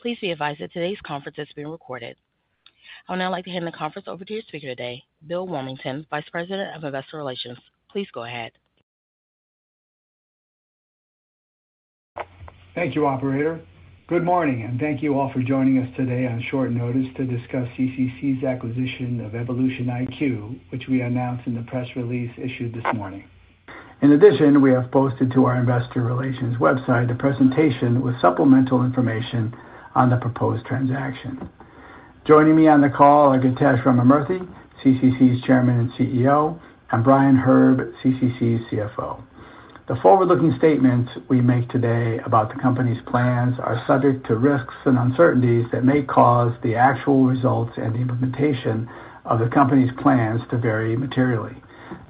Please be advised that today's conference is being recorded. I would now like to hand the conference over to your speaker today, Bill Warmington, Vice President of Investor Relations. Please go ahead. Thank you, Operator. Good morning, and thank you all for joining us today on short notice to discuss CCC's acquisition of EvolutionIQ, which we announced in the press release issued this morning. In addition, we have posted to our investor relations website a presentation with supplemental information on the proposed transaction. Joining me on the call are Githesh Ramamurthy, CCC's Chairman and CEO, and Brian Herb, CCC's CFO. The forward-looking statements we make today about the company's plans are subject to risks and uncertainties that may cause the actual results and implementation of the company's plans to vary materially.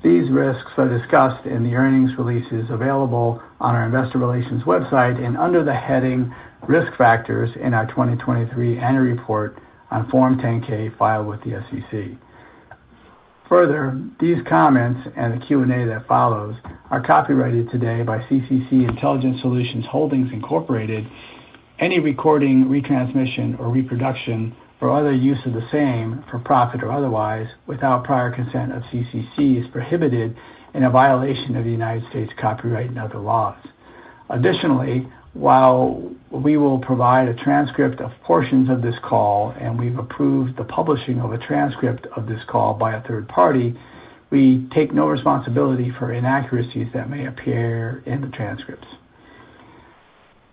These risks are discussed in the earnings releases available on our investor relations website and under the heading "Risk Factors" in our 2023 Annual Report on Form 10-K filed with the SEC. Further, these comments and the Q&A that follows are copyrighted today by CCC Intelligent Solutions Holdings, Incorporated. Any recording, retransmission, or reproduction for other use of the same, for profit or otherwise, without prior consent of CCC is prohibited and is a violation of the United States copyright and other laws. Additionally, while we will provide a transcript of portions of this call and we've approved the publishing of a transcript of this call by a third party, we take no responsibility for inaccuracies that may appear in the transcripts.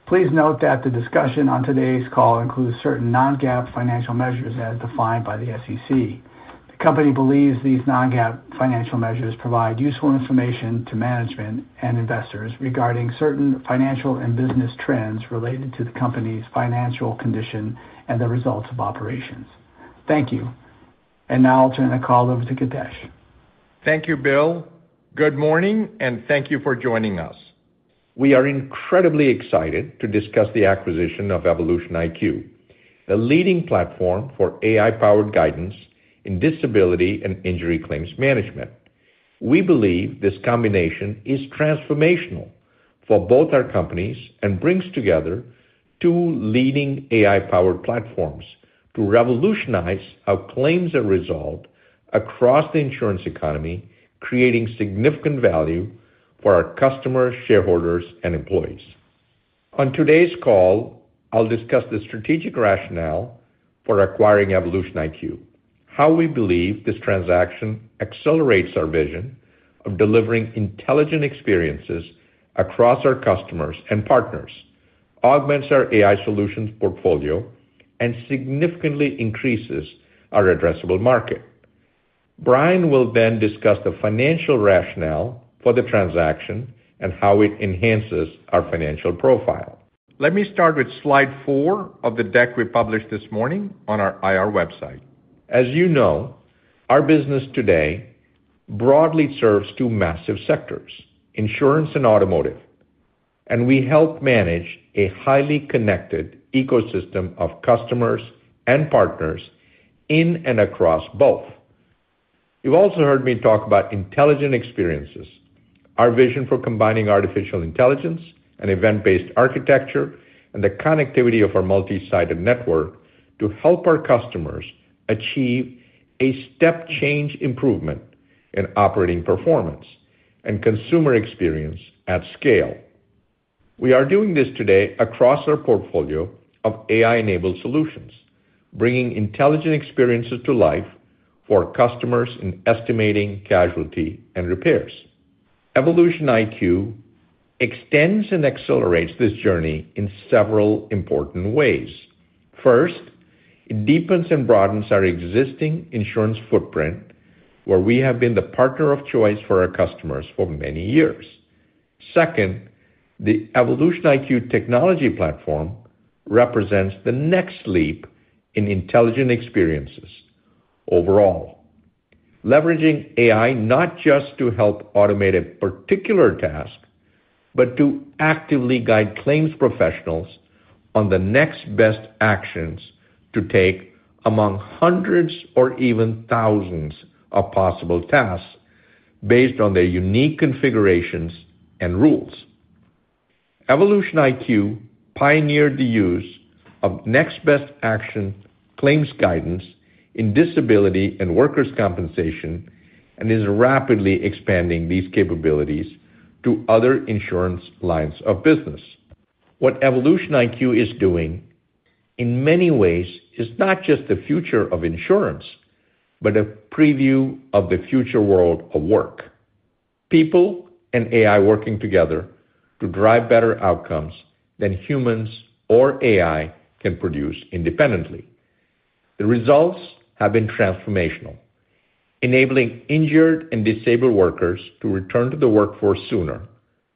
Please note that the discussion on today's call includes certain Non-GAAP financial measures as defined by the SEC. The company believes these Non-GAAP financial measures provide useful information to management and investors regarding certain financial and business trends related to the company's financial condition and the results of operations. Thank you. Now I'll turn the call over to Githesh. Thank you, Bill. Good morning, and thank you for joining us. We are incredibly excited to discuss the acquisition of EvolutionIQ, the leading platform for AI-powered guidance in disability and injury claims management. We believe this combination is transformational for both our companies and brings together two leading AI-powered platforms to revolutionize how claims are resolved across the insurance economy, creating significant value for our customers, shareholders, and employees. On today's call, I'll discuss the strategic rationale for acquiring EvolutionIQ, how we believe this transaction accelerates our vision of delivering intelligent experiences across our customers and partners, augments our AI solutions portfolio, and significantly increases our addressable market. Brian will then discuss the financial rationale for the transaction and how it enhances our financial profile. Let me start with slide four of the deck we published this morning on our IR website. As you know, our business today broadly serves two massive sectors: insurance and automotive, and we help manage a highly connected ecosystem of customers and partners in and across both. You've also heard me talk about intelligent experiences, our vision for combining artificial intelligence and event-based architecture, and the connectivity of our multi-sided network to help our customers achieve a step-change improvement in operating performance and consumer experience at scale. We are doing this today across our portfolio of AI-enabled solutions, bringing intelligent experiences to life for customers in estimating casualty and repairs. EvolutionIQ extends and accelerates this journey in several important ways. First, it deepens and broadens our existing insurance footprint, where we have been the partner of choice for our customers for many years. Second, the EvolutionIQ technology platform represents the next leap in intelligent experiences overall, leveraging AI not just to help automate a particular task, but to actively guide claims professionals on the next best actions to take among hundreds or even thousands of possible tasks based on their unique configurations and rules. EvolutionIQ pioneered the use of next best action claims guidance in disability and workers' compensation and is rapidly expanding these capabilities to other insurance lines of business. What EvolutionIQ is doing, in many ways, is not just the future of insurance, but a preview of the future world of work. People and AI working together to drive better outcomes than humans or AI can produce independently. The results have been transformational, enabling injured and disabled workers to return to the workforce sooner,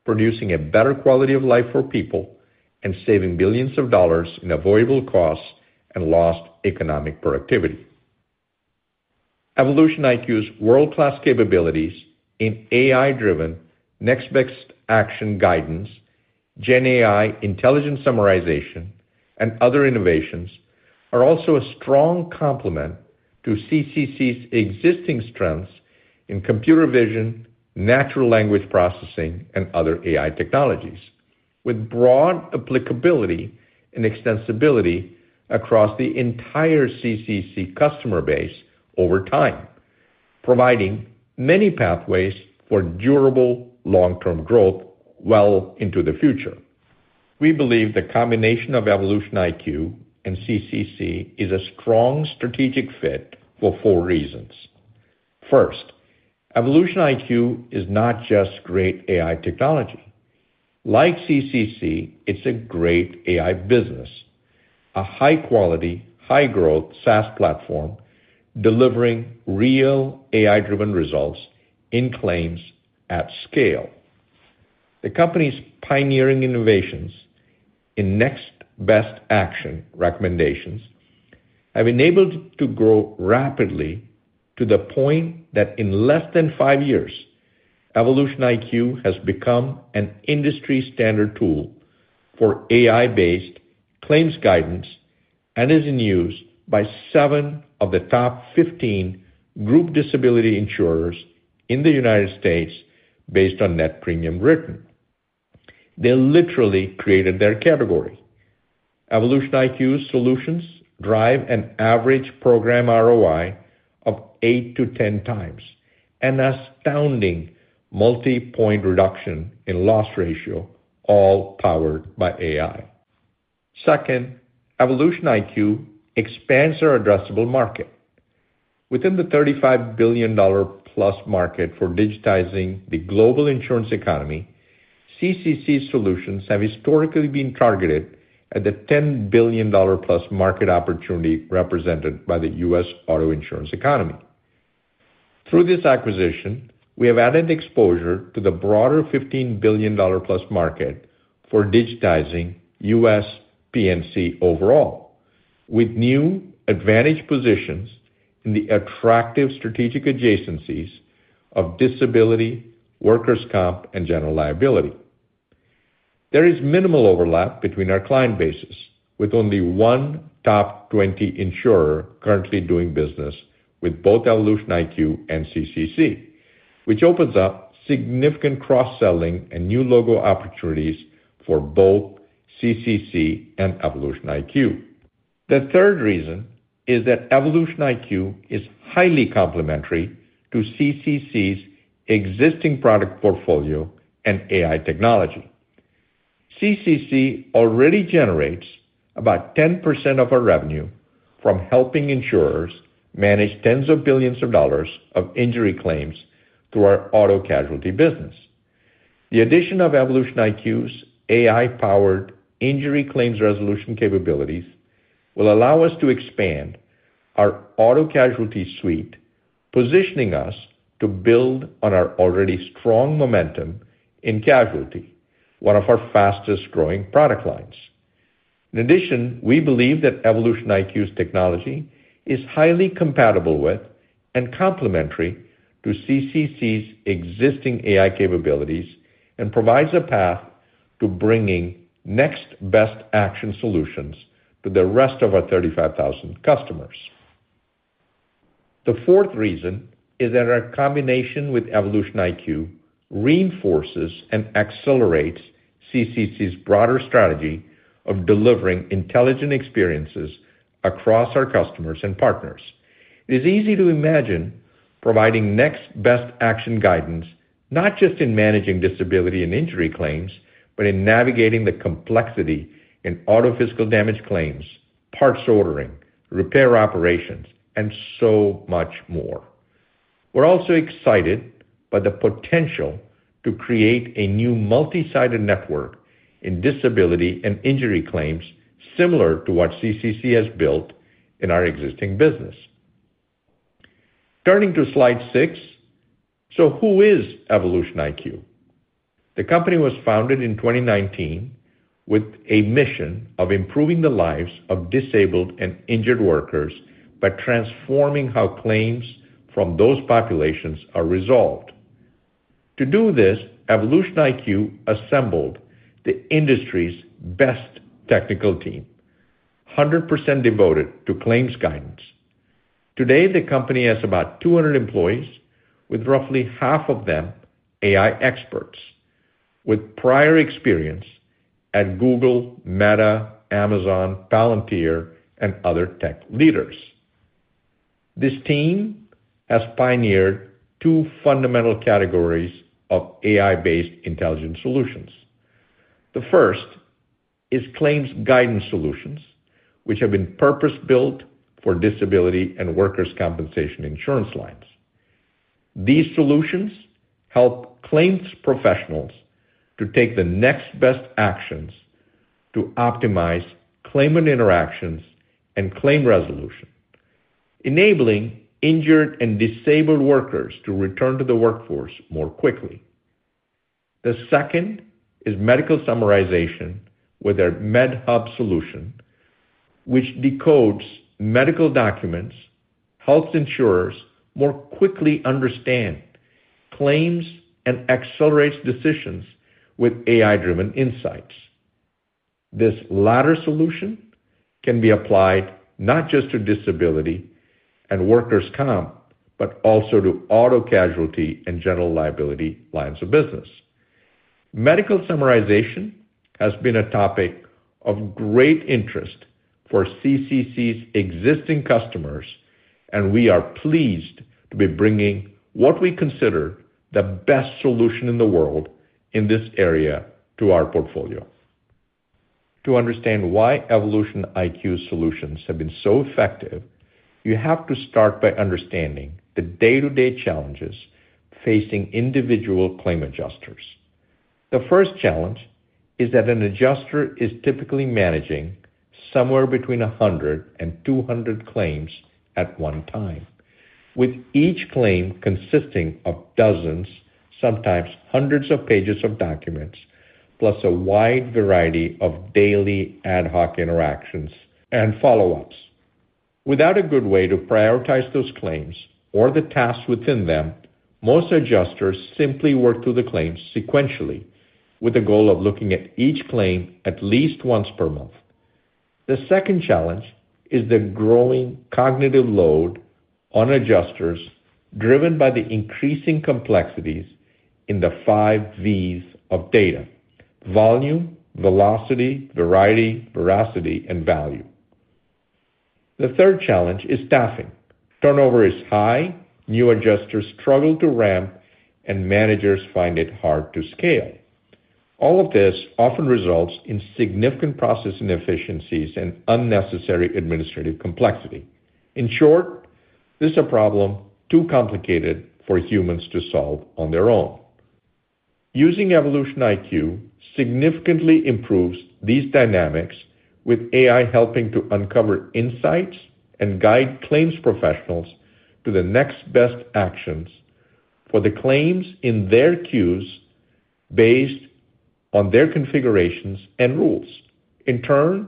producing a better quality of life for people and saving billions of dollars in avoidable costs and lost economic productivity. EvolutionIQ's world-class capabilities in AI-driven next best action guidance, Gen AI intelligent summarization, and other innovations are also a strong complement to CCC's existing strengths in computer vision, natural language processing, and other AI technologies, with broad applicability and extensibility across the entire CCC customer base over time, providing many pathways for durable long-term growth well into the future. We believe the combination of EvolutionIQ and CCC is a strong strategic fit for four reasons. First, EvolutionIQ is not just great AI technology. Like CCC, it's a great AI business, a high-quality, high-growth SaaS platform delivering real AI-driven results in claims at scale. The company's pioneering innovations in next best action recommendations have enabled it to grow rapidly to the point that in less than five years, EvolutionIQ has become an industry-standard tool for AI-based claims guidance and is in use by seven of the top 15 group disability insurers in the United States based on net premium written. They literally created their category. EvolutionIQ's solutions drive an average program ROI of 8-10x and astounding multi-point reduction in loss ratio, all powered by AI. Second, EvolutionIQ expands our addressable market. Within the $35 billion+ market for digitizing the global insurance economy, CCC's solutions have historically been targeted at the $10 billion+ market opportunity represented by the U.S. Auto insurance economy. Through this acquisition, we have added exposure to the broader $15 billion+market for digitizing U.S. P&C overall, with new advantage positions in the attractive strategic adjacencies of disability, workers' comp, and general liability. There is minimal overlap between our client bases, with only one top 20 insurer currently doing business with both EvolutionIQ and CCC, which opens up significant cross-selling and new logo opportunities for both CCC and EvolutionIQ. The third reason is that EvolutionIQ is highly complementary to CCC's existing product portfolio and AI technology. CCC already generates about 10% of our revenue from helping insurers manage tens of billions of dollars of injury claims through our Auto Casualty business. The addition of EvolutionIQ's AI-powered injury claims resolution capabilities will allow us to expand our Auto Casualty suite, positioning us to build on our already strong momentum in casualty, one of our fastest-growing product lines. In addition, we believe that EvolutionIQ's technology is highly compatible with and complementary to CCC's existing AI capabilities and provides a path to bringing next best action solutions to the rest of our 35,000 customers. The fourth reason is that our combination with EvolutionIQ reinforces and accelerates CCC's broader strategy of delivering intelligent experiences across our customers and partners. It is easy to imagine providing next best action guidance not just in managing disability and injury claims, but in navigating the complexity in auto physical damage claims, parts ordering, repair operations, and so much more. We're also excited by the potential to create a new multi-sided network in disability and injury claims similar to what CCC has built in our existing business. Turning to slide six, so who is EvolutionIQ? The company was founded in 2019 with a mission of improving the lives of disabled and injured workers by transforming how claims from those populations are resolved. To do this, EvolutionIQ assembled the industry's best technical team, 100% devoted to claims guidance. Today, the company has about 200 employees, with roughly half of them AI experts with prior experience at Google, Meta, Amazon, Palantir, and other tech leaders. This team has pioneered two fundamental categories of AI-based intelligent solutions. The first is claims guidance solutions, which have been purpose-built for disability and workers' compensation insurance lines. These solutions help claims professionals to take the next best actions to optimize claimant interactions and claim resolution, enabling injured and disabled workers to return to the workforce more quickly. The second is medical summarization with their MedHub solution, which decodes medical documents, helps insurers more quickly understand claims, and accelerates decisions with AI-driven insights. This latter solution can be applied not just to disability and workers' comp, but also to Auto Casualty and general liability lines of business. Medical summarization has been a topic of great interest for CCC's existing customers, and we are pleased to be bringing what we consider the best solution in the world in this area to our portfolio. To understand why EvolutionIQ's solutions have been so effective, you have to start by understanding the day-to-day challenges facing individual claim adjusters. The first challenge is that an adjuster is typically managing somewhere between 100 and 200 claims at one time, with each claim consisting of dozens, sometimes hundreds of pages of documents, plus a wide variety of daily ad hoc interactions and follow-ups. Without a good way to prioritize those claims or the tasks within them, most adjusters simply work through the claims sequentially with the goal of looking at each claim at least once per month. The second challenge is the growing cognitive load on adjusters driven by the increasing complexities in the five V's of data: volume, velocity, variety, veracity, and value. The third challenge is staffing. Turnover is high, new adjusters struggle to ramp, and managers find it hard to scale. All of this often results in significant process inefficiencies and unnecessary administrative complexity. In short, this is a problem too complicated for humans to solve on their own. Using EvolutionIQ significantly improves these dynamics, with AI helping to uncover insights and guide claims professionals to the next best actions for the claims in their queues based on their configurations and rules. In turn,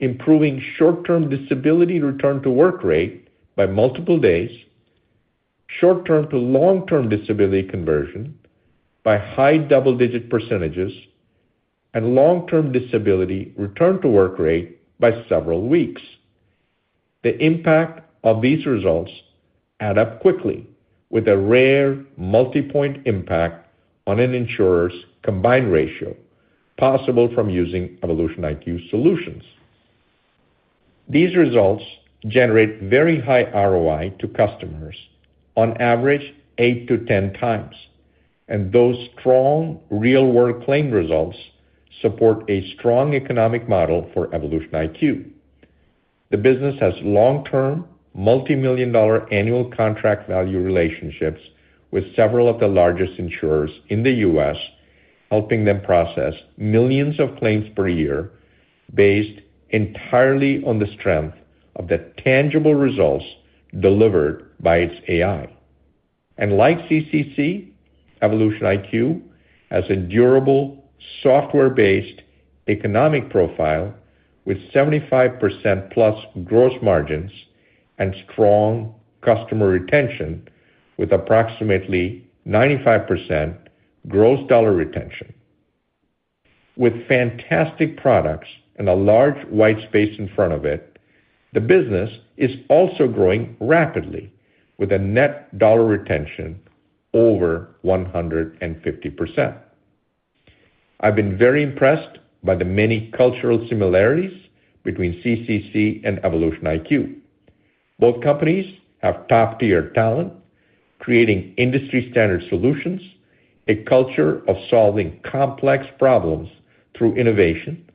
improving short-term disability return-to-work rate by multiple days, short-term to long-term disability conversion by high double-digit percentages, and long-term disability return-to-work rate by several weeks. The impact of these results add up quickly, with a rare multi-point impact on an insurer's combined ratio possible from using EvolutionIQ's solutions. These results generate very high ROI to customers, on average eight to 10x, and those strong real-world claim results support a strong economic model for EvolutionIQ. The business has long-term multi-million dollar annual contract value relationships with several of the largest insurers in the U.S., helping them process millions of claims per year based entirely on the strength of the tangible results delivered by its AI. And like CCC, EvolutionIQ has a durable software-based economic profile with 75%+ gross margins and strong customer retention, with approximately 95% gross dollar retention. With fantastic products and a large white space in front of it, the business is also growing rapidly, with a net dollar retention over 150%. I've been very impressed by the many cultural similarities between CCC and EvolutionIQ. Both companies have top-tier talent, creating industry-standard solutions, a culture of solving complex problems through innovation,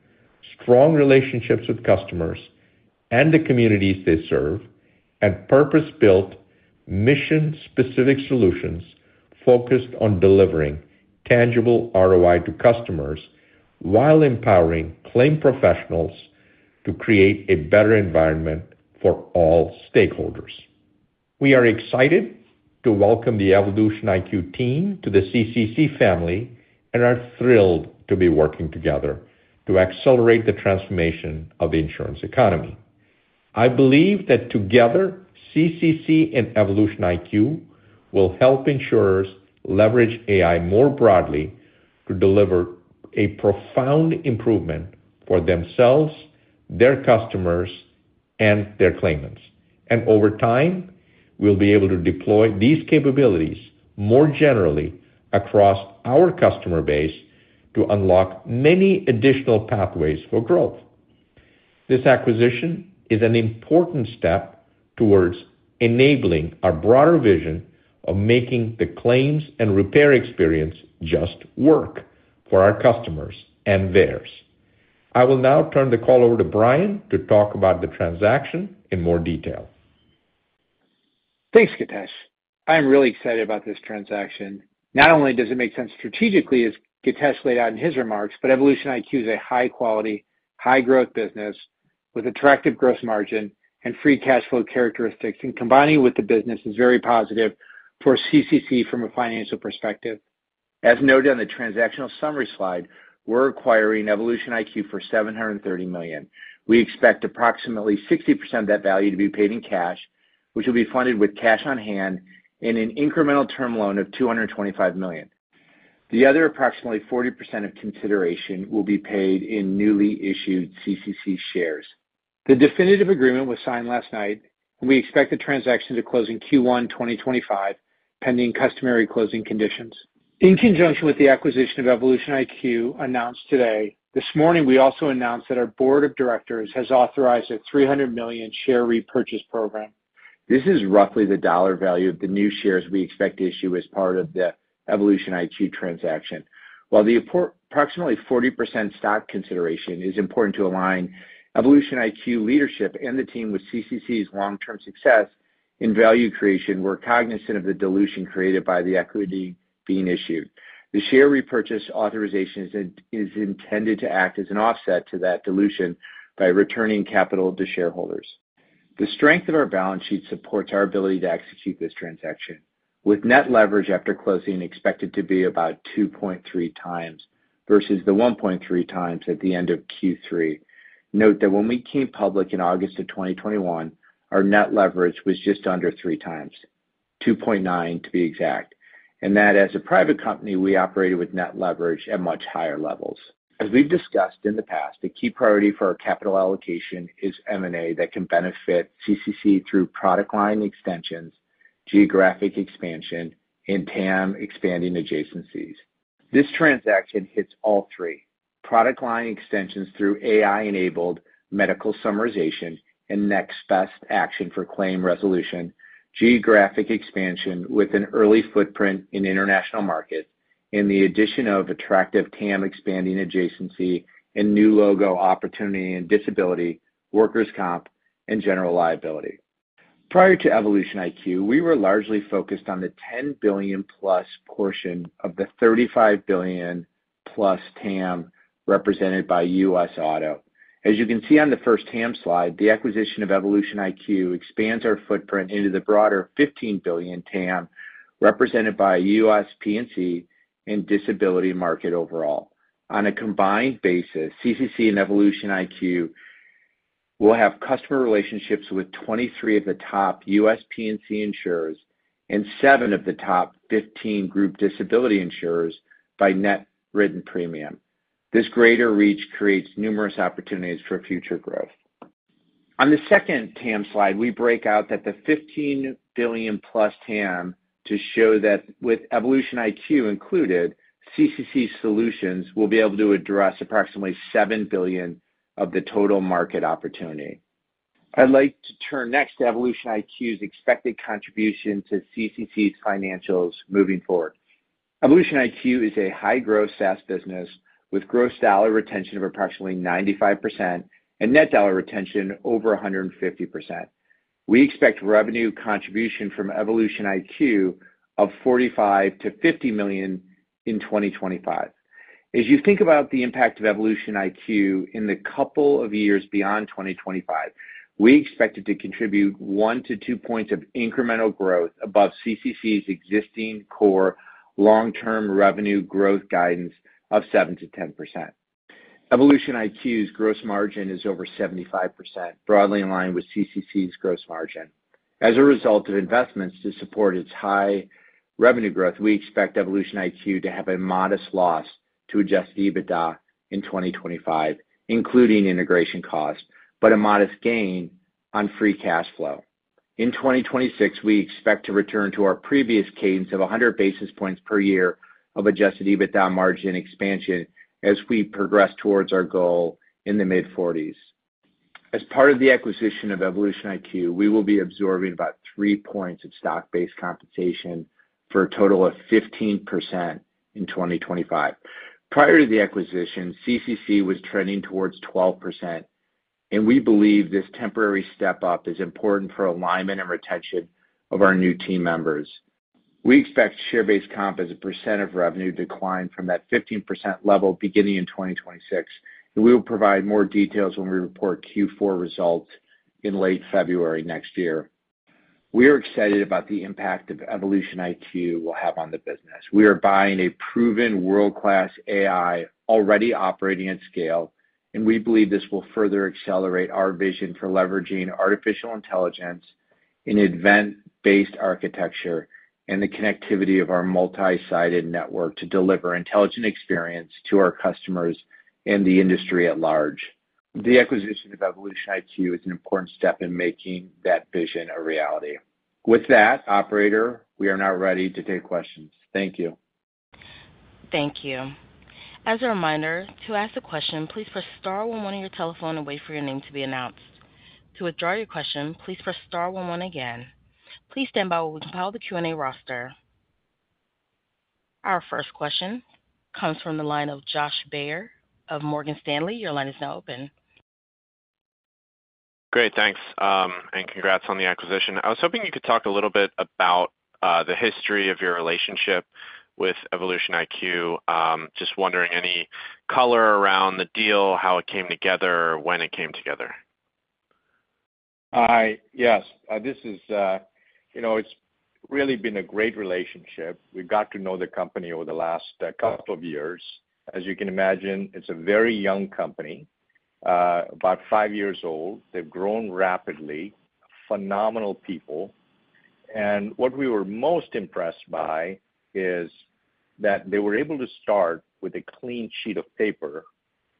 strong relationships with customers and the communities they serve, and purpose-built mission-specific solutions focused on delivering tangible ROI to customers while empowering claim professionals to create a better environment for all stakeholders. We are excited to welcome the EvolutionIQ team to the CCC family and are thrilled to be working together to accelerate the transformation of the insurance economy. I believe that together, CCC and EvolutionIQ will help insurers leverage AI more broadly to deliver a profound improvement for themselves, their customers, and their claimants, and over time, we'll be able to deploy these capabilities more generally across our customer base to unlock many additional pathways for growth. This acquisition is an important step towards enabling our broader vision of making the claims and repair experience just work for our customers and theirs. I will now turn the call over to Brian to talk about the transaction in more detail. Thanks, Githesh. I'm really excited about this transaction. Not only does it make sense strategically, as Githesh laid out in his remarks, but EvolutionIQ is a high-quality, high-growth business with attractive gross margin and free cash flow characteristics, and combining with the business is very positive for CCC from a financial perspective. As noted on the transactional summary slide, we're acquiring EvolutionIQ for $730 million. We expect approximately 60% of that value to be paid in cash, which will be funded with cash on hand in an incremental term loan of $225 million. The other approximately 40% of consideration will be paid in newly issued CCC shares. The definitive agreement was signed last night, and we expect the transaction to close in Q1 2025, pending customary closing conditions. In conjunction with the acquisition of EvolutionIQ announced today, this morning we also announced that our board of directors has authorized a $300 million share repurchase program. This is roughly the dollar value of the new shares we expect to issue as part of the EvolutionIQ transaction. While the approximately 40% stock consideration is important to align EvolutionIQ leadership and the team with CCC's long-term success in value creation, we're cognizant of the dilution created by the equity being issued. The share repurchase authorization is intended to act as an offset to that dilution by returning capital to shareholders. The strength of our balance sheet supports our ability to execute this transaction. With net leverage after closing expected to be about 2.3x versus the 1.3x at the end of Q3. Note that when we came public in August of 2021, our net leverage was just under 3x, 2.9 to be exact, and that as a private company, we operated with net leverage at much higher levels. As we've discussed in the past, a key priority for our capital allocation is M&A that can benefit CCC through product line extensions, geographic expansion, and TAM expanding adjacencies. This transaction hits all three: product line extensions through AI-enabled medical summarization and next best action for claim resolution, geographic expansion with an early footprint in international markets, and the addition of attractive TAM expanding adjacency and new logo opportunity in disability, workers' comp, and general liability. Prior to EvolutionIQ, we were largely focused on the $10 billion+ portion of the $35 billion+s TAM represented by U.S. Auto. As you can see on the first TAM slide, the acquisition of EvolutionIQ expands our footprint into the broader $15 billion TAM represented by U.S. P&C and disability market overall. On a combined basis, CCC and EvolutionIQ will have customer relationships with 23 of the top U.S. P&C insurers and seven of the top 15 group disability insurers by net written premium. This greater reach creates numerous opportunities for future growth. On the second TAM slide, we break out that the $15 billion+ TAM to show that with EvolutionIQ included, CCC's solutions will be able to address approximately $7 billion of the total market opportunity. I'd like to turn next to EvolutionIQ's expected contribution to CCC's financials moving forward. EvolutionIQ is a high-growth SaaS business with gross dollar retention of approximately 95% and net dollar retention over 150%. We expect revenue contribution from EvolutionIQ of $45 million-$50 million in 2025. As you think about the impact of EvolutionIQ in the couple of years beyond 2025, we expect it to contribute 1-2 points of incremental growth above CCC's existing core long-term revenue growth guidance of 7%-10%. EvolutionIQ's gross margin is over 75%, broadly aligned with CCC's gross margin. As a result of investments to support its high revenue growth, we expect EvolutionIQ to have a modest loss to adjusted EBITDA in 2025, including integration costs, but a modest gain on free cash flow. In 2026, we expect to return to our previous cadence of 100 basis points per year of adjusted EBITDA margin expansion as we progress towards our goal in the mid-40s. As part of the acquisition of EvolutionIQ, we will be absorbing about three points of stock-based compensation for a total of 15% in 2025. Prior to the acquisition, CCC was trending towards 12%, and we believe this temporary step-up is important for alignment and retention of our new team members. We expect share-based comp as a percent of revenue to decline from that 15% level beginning in 2026, and we will provide more details when we report Q4 results in late February next year. We are excited about the impact that EvolutionIQ will have on the business. We are buying a proven world-class AI already operating at scale, and we believe this will further accelerate our vision for leveraging artificial intelligence in event-based architecture and the connectivity of our multi-sided network to deliver intelligent experience to our customers and the industry at large. The acquisition of EvolutionIQ is an important step in making that vision a reality. With that, operator, we are now ready to take questions. Thank you. Thank you. As a reminder, to ask a question, please press star one one on your telephone and wait for your name to be announced. To withdraw your question, please press star one one again. Please stand by while we compile the Q&A roster. Our first question comes from the line of Josh Baer of Morgan Stanley. Your line is now open. Great. Thanks, and congrats on the acquisition. I was hoping you could talk a little bit about the history of your relationship with EvolutionIQ. Just wondering any color around the deal, how it came together, when it came together. Yes. This is, you know, it's really been a great relationship. We got to know the company over the last couple of years. As you can imagine, it's a very young company, about five years old. They've grown rapidly. Phenomenal people. And what we were most impressed by is that they were able to start with a clean sheet of paper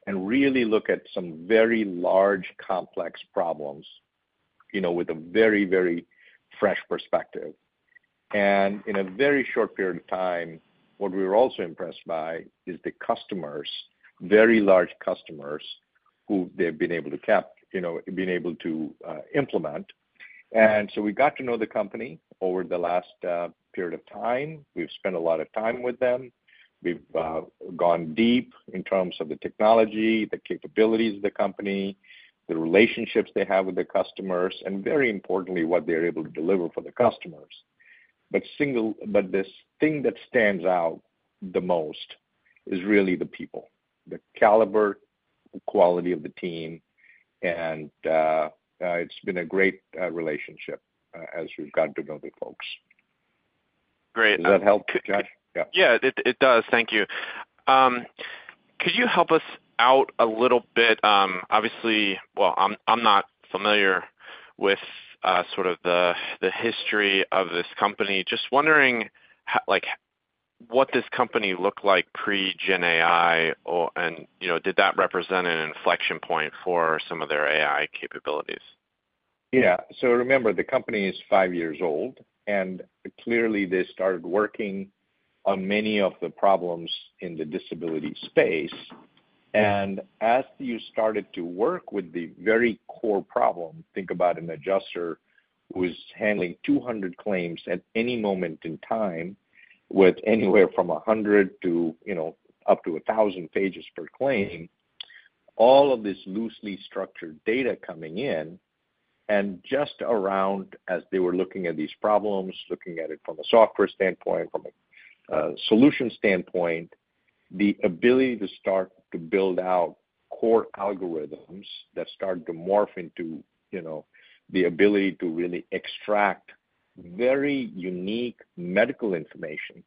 and really look at some very large, complex problems, you know, with a very, very fresh perspective. And in a very short period of time, what we were also impressed by is the customers, very large customers, who they've been able to, you know, implement. So we got to know the company over the last period of time. We've spent a lot of time with them. We've gone deep in terms of the technology, the capabilities of the company, the relationships they have with their customers, and very importantly, what they're able to deliver for the customers. But this thing that stands out the most is really the people, the caliber, the quality of the team, and it's been a great relationship as we've gotten to know the folks. Great. Does that help, Josh? Yeah. Yeah, it does. Thank you. Could you help us out a little bit? Obviously, well, I'm not familiar with sort of the history of this company. Just wondering what this company looked like pre-Gen AI, and you know, did that represent an inflection point for some of their AI capabilities? Yeah. Remember, the company is five years old, and clearly they started working on many of the problems in the disability space. As you started to work with the very core problem, think about an adjuster who is handling 200 claims at any moment in time with anywhere from 100 to, you know, up to 1,000 pages per claim, all of this loosely structured data coming in. Just as they were looking at these problems, looking at it from a software standpoint, from a solution standpoint, the ability to start to build out core algorithms that start to morph into, you know, the ability to really extract very unique medical information.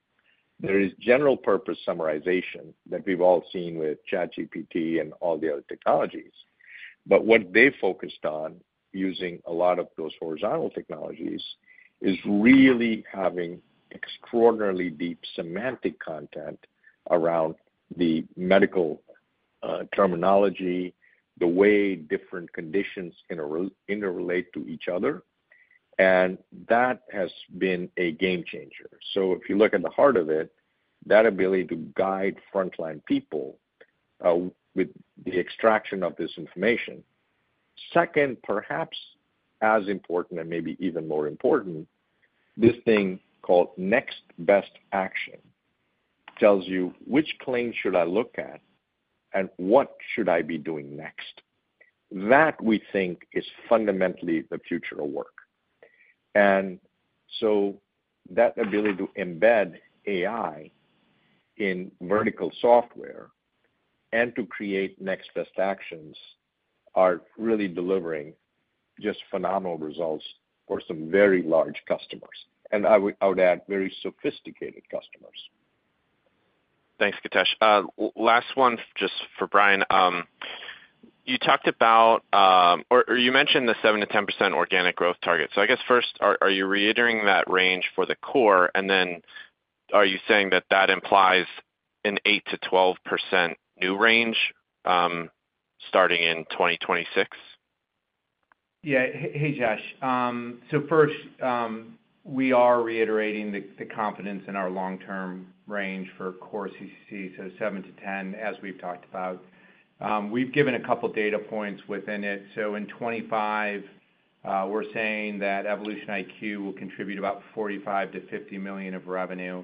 There is general purpose summarization that we've all seen with ChatGPT and all the other technologies. But what they focused on using a lot of those horizontal technologies is really having extraordinarily deep semantic content around the medical terminology, the way different conditions interrelate to each other. And that has been a game changer. So if you look at the heart of it, that ability to guide frontline people with the extraction of this information. Second, perhaps as important and maybe even more important, this thing called next best action tells you which claim should I look at and what should I be doing next. That we think is fundamentally the future of work. And so that ability to embed AI in vertical software and to create next best actions are really delivering just phenomenal results for some very large customers, and I would add very sophisticated customers. Thanks, Githesh. Last one just for Brian. You talked about, or you mentioned the 7%-10% organic growth target. So I guess first, are you reiterating that range for the core, and then are you saying that that implies an 8%-12% new range starting in 2026? Yeah. Hey, Josh. So first, we are reiterating the confidence in our long-term range for core CCC, so 7%-10%, as we've talked about. We've given a couple of data points within it. So in 2025, we're saying that EvolutionIQ will contribute about $45 million-$50 million of revenue.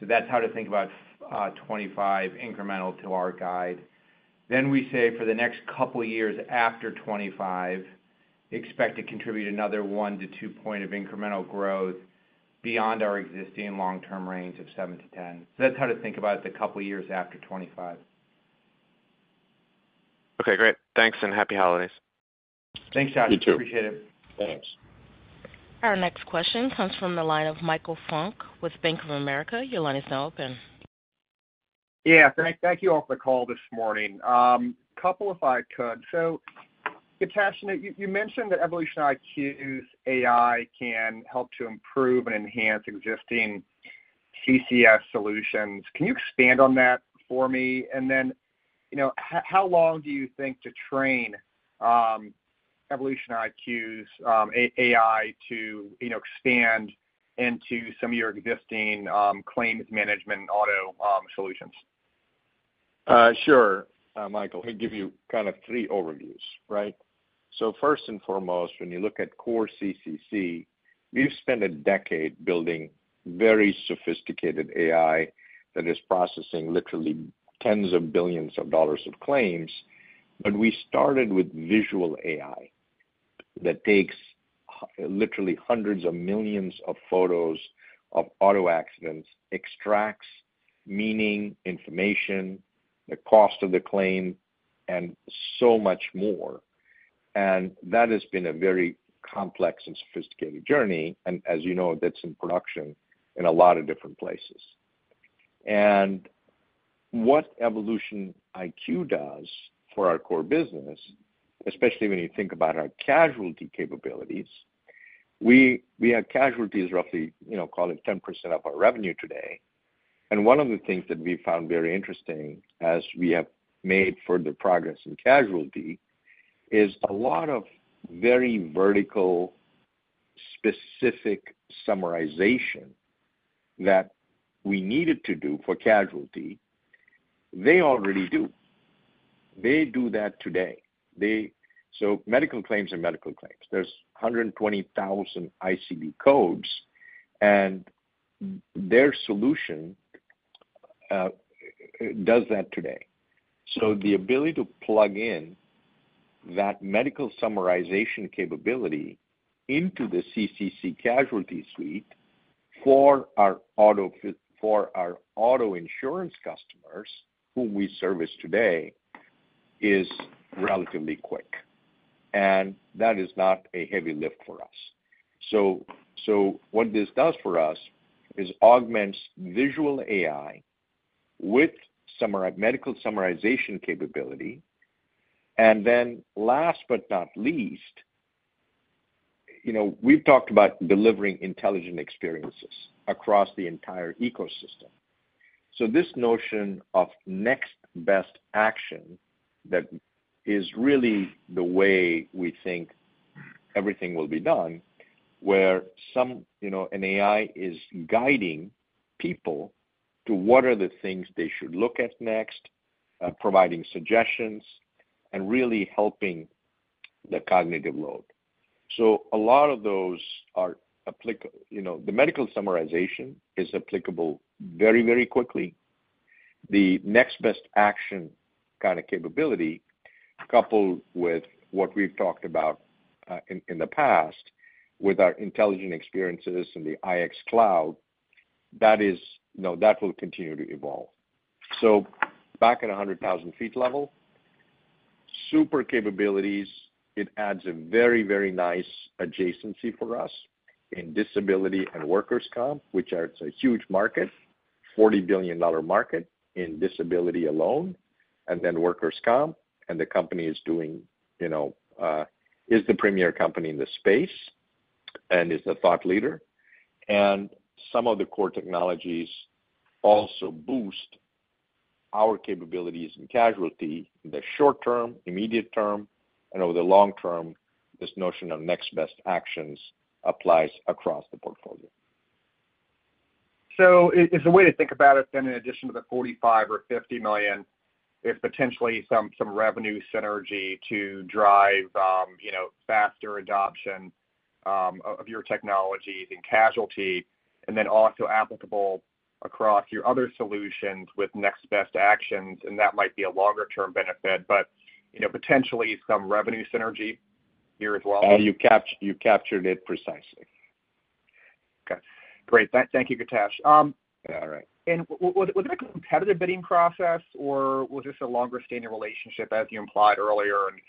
So that's how to think about 2025 incremental to our guide. Then we say for the next couple of years after 2025, expect to contribute another 1-2 point of incremental growth beyond our existing long-term range of 7%-10%. So that's how to think about the couple of years after 2025. Okay. Great. Thanks and happy holidays. Thanks, Josh. You too. Appreciate it. Thanks. Our next question comes from the line of Michael Funk with Bank of America. Your line is now open. Yeah. Thank you all for the call this morning. Couple if I could. So Githesh, you mentioned that EvolutionIQ's AI can help to improve and enhance existing CCC's solutions. Can you expand on that for me? And then, you know, how long do you think to train EvolutionIQ's AI to, you know, expand into some of your existing claims management auto solutions? Sure, Michael. I'll give you kind of three overviews, right? So first and foremost, when you look at core CCC, we've spent a decade building very sophisticated AI that is processing literally tens of billions of dollars of claims. But we started with visual AI that takes literally hundreds of millions of photos of auto accidents, extracts meaningful information, the cost of the claim, and so much more. And that has been a very complex and sophisticated journey. And as you know, that's in production in a lot of different places. And what EvolutionIQ does for our core business, especially when you think about our casualty capabilities, we have casualties roughly, you know, call it 10% of our revenue today. And one of the things that we found very interesting as we have made further progress in casualty is a lot of very vertical specific summarization that we needed to do for casualty. They already do. They do that today. So medical claims. There's 120,000 ICD codes, and their solution does that today. So the ability to plug in that medical summarization capability into the CCC casualty suite for our auto insurance customers whom we service today is relatively quick. And that is not a heavy lift for us. So what this does for us is augments visual AI with medical summarization capability. And then last but not least, you know, we've talked about delivering intelligent experiences across the entire ecosystem. So this notion of next best action that is really the way we think everything will be done, where some, you know, an AI is guiding people to what are the things they should look at next, providing suggestions and really helping the cognitive load. So a lot of those are applicable, you know, the medical summarization is applicable very, very quickly. The next best action kind of capability, coupled with what we've talked about in the past with our intelligent experiences and the IX Cloud, that is, you know, that will continue to evolve. So back at 100,000 feet level, super capabilities, it adds a very, very nice adjacency for us in disability and workers' comp, which is a huge market, $40 billion market in disability alone, and then workers' comp. And the company is doing, you know, is the premier company in the space and is the thought leader. And some of the core technologies also boost our capabilities in casualty in the short term, immediate term, and over the long term, this notion of next best actions applies across the portfolio. So it's a way to think about it then in addition to the $45 million or $50 million. It's potentially some revenue synergy to drive, you know, faster adoption of your technologies in casualty, and then also applicable across your other solutions with next best actions. And that might be a longer-term benefit, but, you know, potentially some revenue synergy here as well. You captured it precisely. Okay. Great. Thank you, Githesh. All right. And was it a competitive bidding process, or was this a longer-standing relationship, as you implied earlier, and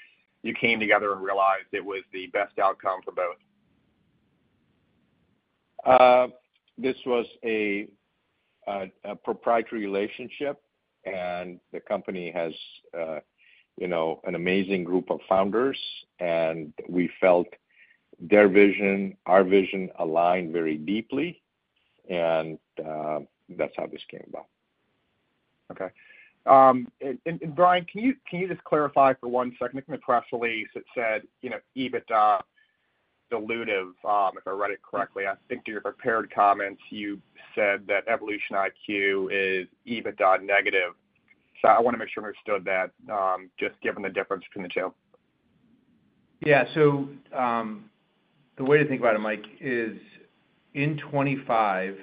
you came together and realized it was the best outcome for both? This was a proprietary relationship, and the company has, you know, an amazing group of founders, and we felt their vision, our vision aligned very deeply, and that's how this came about. Okay. And Brian, can you just clarify for one second? I think in the press release it said, you know, EBITDA dilutive, if I read it correctly. I think to your prepared comments, you said that EvolutionIQ is EBITDA negative. So I want to make sure I understood that, just given the difference between the two. Yeah. So the way to think about it, Mike, is in 2025,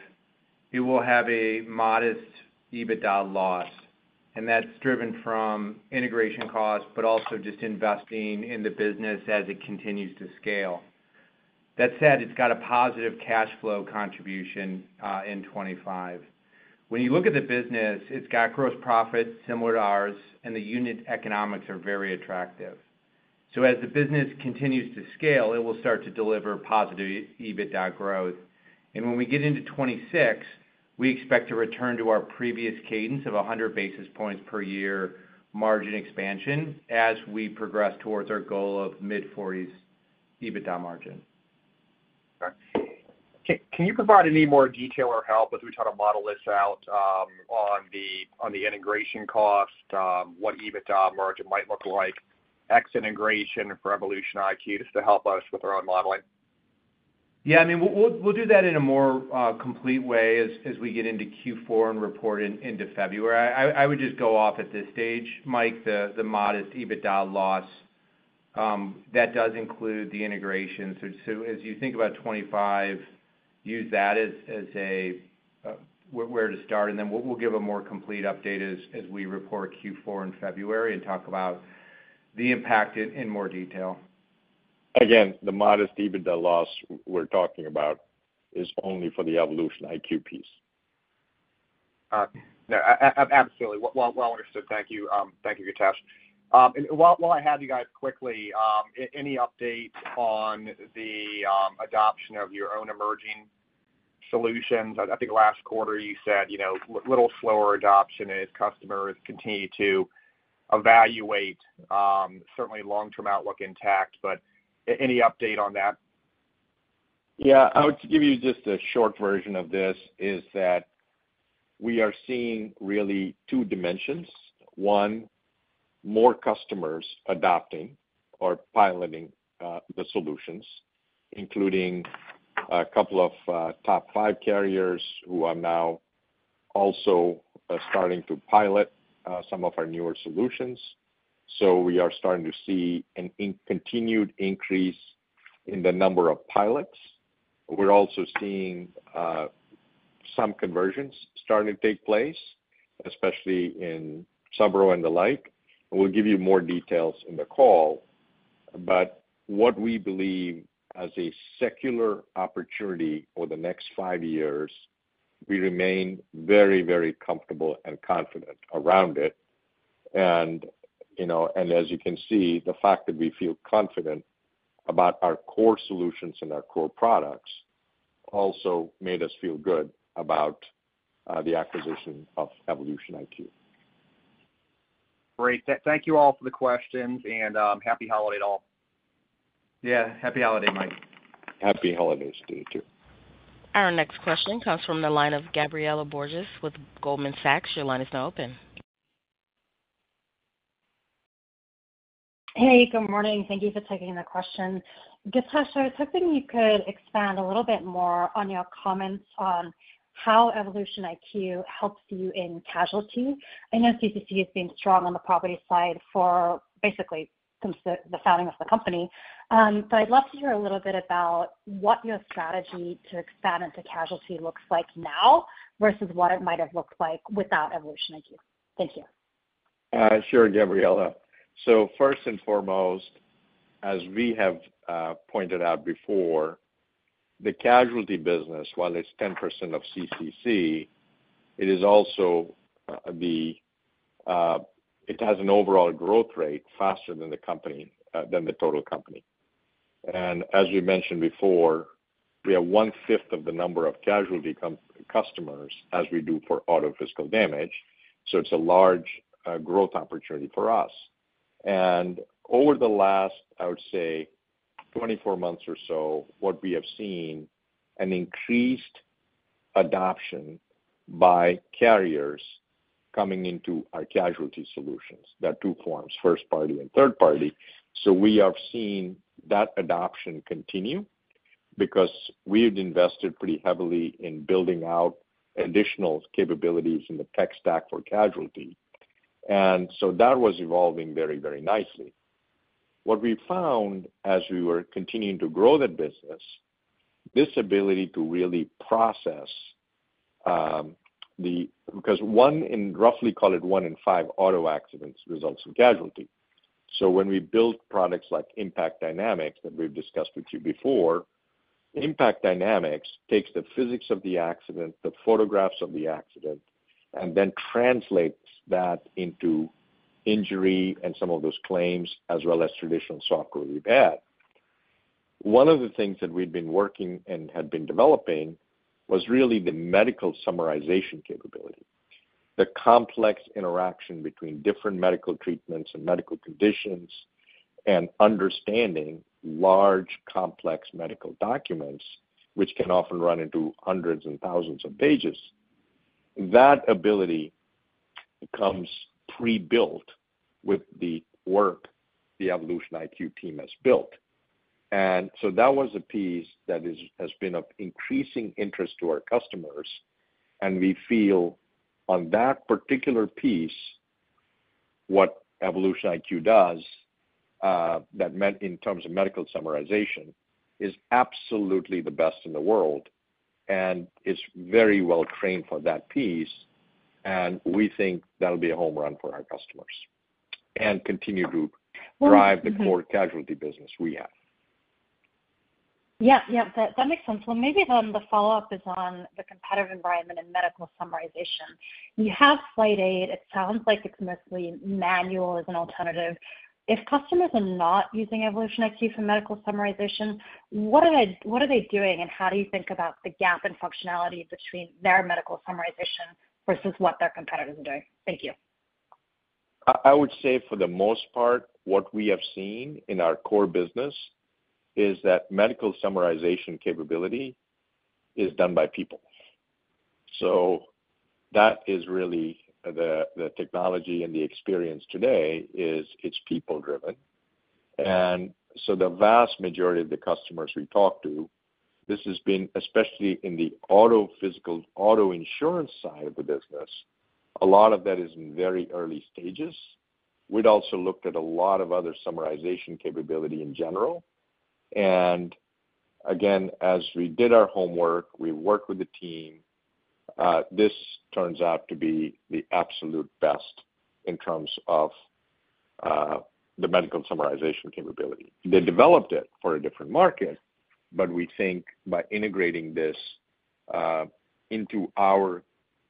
it will have a modest EBITDA loss, and that's driven from integration costs, but also just investing in the business as it continues to scale. That said, it's got a positive cash flow contribution in 2025. When you look at the business, it's got gross profits similar to ours, and the unit economics are very attractive. So as the business continues to scale, it will start to deliver positive EBITDA growth. And when we get into 2026, we expect to return to our previous cadence of 100 basis points per year margin expansion as we progress towards our goal of mid-40s EBITDA margin. Can you provide any more detail or help as we try to model this out on the integration cost, what EBITDA margin might look like, ex-integration for EvolutionIQ just to help us with our own modeling? Yeah. I mean, we'll do that in a more complete way as we get into Q4 and report into February. I would just go off at this stage, Mike, the modest EBITDA loss. That does include the integration. So as you think about 2025, use that as a where to start. And then we'll give a more complete update as we report Q4 in February and talk about the impact in more detail. Again, the modest EBITDA loss we're talking about is only for the EvolutionIQ piece. Absolutely. Well understood. Thank you. Thank you, Githesh. And while I have you guys quickly, any updates on the adoption of your own emerging solutions? I think last quarter you said, you know, a little slower adoption as customers continue to evaluate certainly long-term outlook intact. But any update on that? Yeah. I would give you just a short version of this is that we are seeing really two dimensions. One, more customers adopting or piloting the solutions, including a couple of top five carriers who are now also starting to pilot some of our newer solutions. So we are starting to see a continued increase in the number of pilots. We're also seeing some conversions starting to take place, especially in subrogation and the like. We'll give you more details in the call. But what we believe as a secular opportunity for the next five years, we remain very, very comfortable and confident around it. And, you know, and as you can see, the fact that we feel confident about our core solutions and our core products also made us feel good about the acquisition of EvolutionIQ. Great. Thank you all for the questions, and happy holiday to all. Yeah. Happy holiday, Mike. Happy holidays to you too. Our next question comes from the line of Gabriela Borges with Goldman Sachs. Your line is now open. Hey, good morning. Thank you for taking the question. Githesh, I was hoping you could expand a little bit more on your comments on how EvolutionIQ helps you in casualty. I know CCC has been strong on the property side for basically since the founding of the company. But I'd love to hear a little bit about what your strategy to expand into casualty looks like now versus what it might have looked like without EvolutionIQ. Thank you. Sure, Gabriela. So first and foremost, as we have pointed out before, the casualty business, while it's 10% of CCC, it is also it has an overall growth rate faster than the company, than the total company. And as we mentioned before, we have one fifth of the number of casualty customers as we do for auto physical damage. So it's a large growth opportunity for us. And over the last, I would say, 24 months or so, what we have seen is an increased adoption by carriers coming into our casualty solutions. There are two forms, first party and third party. So we have seen that adoption continue because we had invested pretty heavily in building out additional capabilities in the tech stack for casualty. And so that was evolving very, very nicely. What we found as we were continuing to grow that business, this ability to really process them because one in roughly call it one in five auto accidents results in casualty. So when we build products like Impact Dynamics that we've discussed with you before, Impact Dynamics takes the physics of the accident, the photographs of the accident, and then translates that into injury and some of those claims as well as traditional software we've had. One of the things that we've been working and had been developing was really the medical summarization capability, the complex interaction between different medical treatments and medical conditions and understanding large complex medical documents, which can often run into hundreds and thousands of pages. That ability comes pre-built with the work the EvolutionIQ team has built. And so that was a piece that has been of increasing interest to our customers. And we feel on that particular piece, what EvolutionIQ does, that meant in terms of medical summarization, is absolutely the best in the world and is very well trained for that piece. And we think that'll be a home run for our customers and continue to drive the core casualty business we have. Yeah. Yeah. That makes sense. Well, maybe then the follow-up is on the competitive environment and medical summarization. You have Slide eight. It sounds like it's mostly manual as an alternative. If customers are not using EvolutionIQ for medical summarization, what are they doing and how do you think about the gap in functionality between their medical summarization versus what their competitors are doing? Thank you. I would say for the most part, what we have seen in our core business is that medical summarization capability is done by people. So that is really the technology and the experience today is it's people-driven. And so the vast majority of the customers we talk to, this has been especially in the auto physical damage side of the business. A lot of that is in very early stages. We'd also looked at a lot of other summarization capability in general. And again, as we did our homework, we worked with the team. This turns out to be the absolute best in terms of the medical summarization capability. They developed it for a different market, but we think by integrating this into our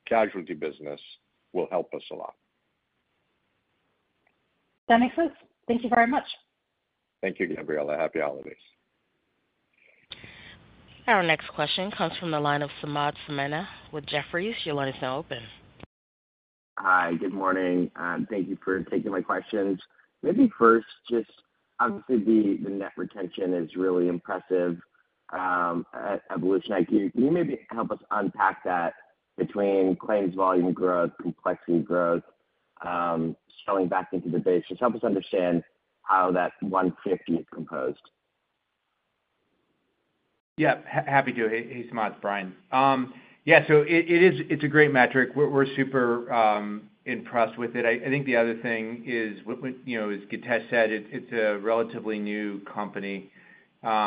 casualty business will help us a lot. That makes sense. Thank you very much. Thank you, Gabriela. Happy holidays. Our next question comes from the line of Samad Samana with Jefferies. Your line is now open. Hi. Good morning. Thank you for taking my questions. Maybe first, just obviously the net retention is really impressive at EvolutionIQ. Can you maybe help us unpack that between claims volume growth, complexity growth, scaling back into the base? Just help us understand how that 150 is composed. Yeah. Happy to. Hey, Samad, Brian. Yeah. So it's a great metric. We're super impressed with it. I think the other thing is, you know, as Githesh said, it's a relatively new company.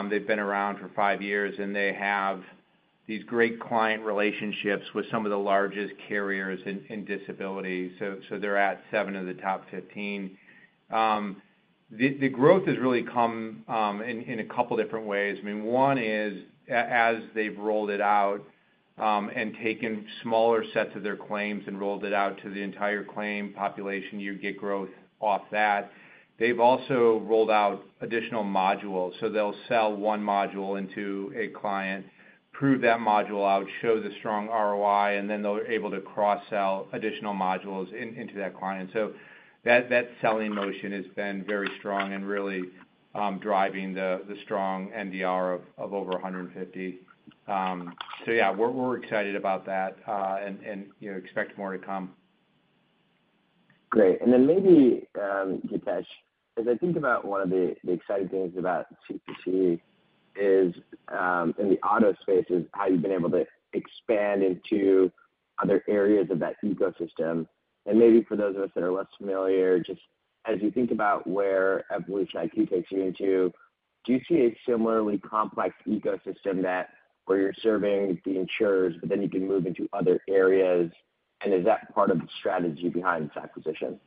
They've been around for five years, and they have these great client relationships with some of the largest carriers in disability. So they're at seven of the top 15. The growth has really come in a couple of different ways. I mean, one is as they've rolled it out and taken smaller sets of their claims and rolled it out to the entire claim population, you get growth off that. They've also rolled out additional modules. So they'll sell one module into a client, prove that module out, show the strong ROI, and then they're able to cross-sell additional modules into that client. So that selling motion has been very strong and really driving the strong NDR of over 150. So yeah, we're excited about that and expect more to come. Great. And then maybe, Githesh, as I think about one of the exciting things about CCC in the auto space, is how you've been able to expand into other areas of that ecosystem. And maybe for those of us that are less familiar, just as you think about where EvolutionIQ takes you into, do you see a similarly complex ecosystem where you're serving the insurers, but then you can move into other areas? And is that part of the strategy behind this acquisition?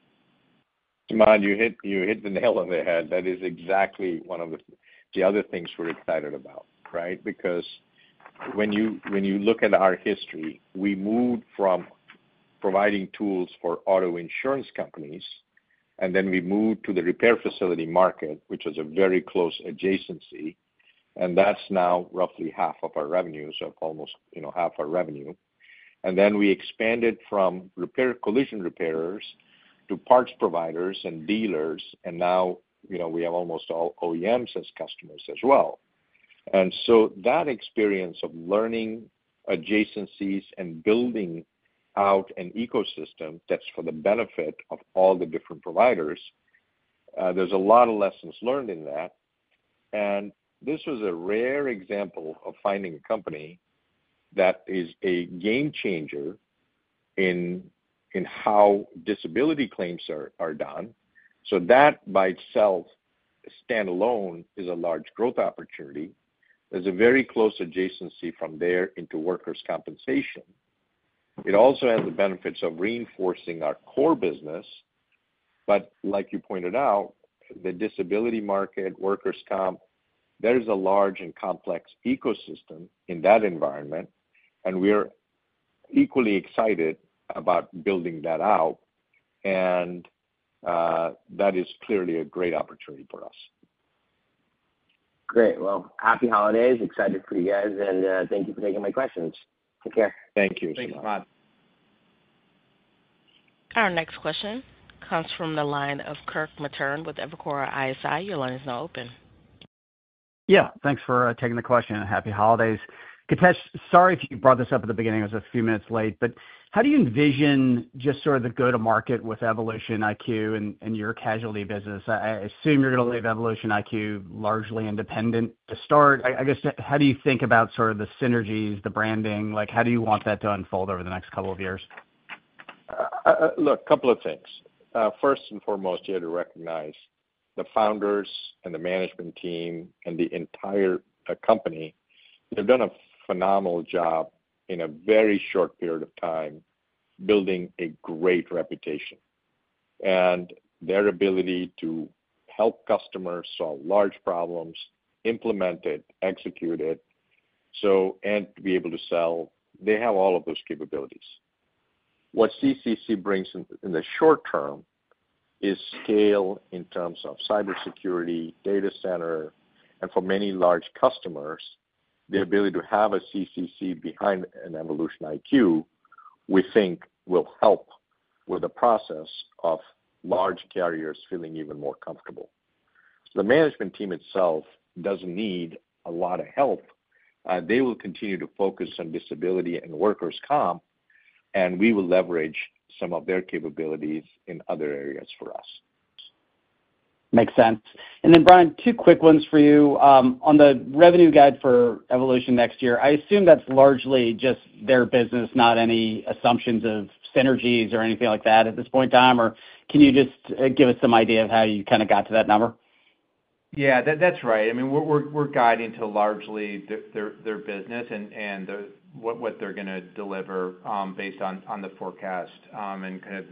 Samad, you hit the nail on the head. That is exactly one of the other things we're excited about, right? Because when you look at our history, we moved from providing tools for auto insurance companies, and then we moved to the repair facility market, which was a very close adjacency. And that's now roughly half of our revenue, so almost half our revenue. And then we expanded from collision repairers to parts providers and dealers. And now, you know, we have almost all OEMs as customers as well. And so that experience of learning adjacencies and building out an ecosystem that's for the benefit of all the different providers. There's a lot of lessons learned in that. And this was a rare example of finding a company that is a game changer in how disability claims are done. So that by itself, stand alone, is a large growth opportunity. There's a very close adjacency from there into workers' compensation. It also has the benefits of reinforcing our core business. But like you pointed out, the disability market, workers' comp, there's a large and complex ecosystem in that environment. And we're equally excited about building that out. And that is clearly a great opportunity for us. Great. Well, happy holidays. Excited for you guys. And thank you for taking my questions. Take care. Thank you. Thanks, Samad. Our next question comes from the line of Kirk Materne with Evercore ISI. Your line is now open. Yeah. Thanks for taking the question. Happy holidays. Githesh, sorry if you brought this up at the beginning. I was a few minutes late. But how do you envision just sort of the go-to-market with EvolutionIQ and your casualty business? I assume you're going to leave EvolutionIQ largely independent to start. I guess, how do you think about sort of the synergies, the branding? Like, how do you want that to unfold over the next couple of years? Look, a couple of things. First and foremost, you had to recognize the founders and the management team and the entire company. They've done a phenomenal job in a very short period of time building a great reputation. Their ability to help customers solve large problems, implement it, execute it, and be able to sell, they have all of those capabilities. What CCC brings in the short term is scale in terms of cybersecurity, data center, and for many large customers, the ability to have a CCC behind an EvolutionIQ, we think will help with the process of large carriers feeling even more comfortable. The management team itself doesn't need a lot of help. They will continue to focus on disability and workers' comp, and we will leverage some of their capabilities in other areas for us. Makes sense. And then, Brian, two quick ones for you. On the revenue guide for EvolutionIQ next year, I assume that's largely just their business, not any assumptions of synergies or anything like that at this point in time. Or can you just give us some idea of how you kind of got to that number? Yeah, that's right. I mean, we're guiding to largely their business and what they're going to deliver based on the forecast and kind of